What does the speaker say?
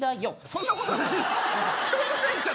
そんなことないです